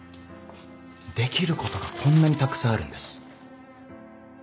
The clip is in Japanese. できることがこんなにたくさんあるんです。